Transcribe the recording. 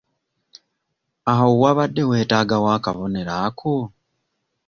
Awo wabadde weetaagawo akabonero ako?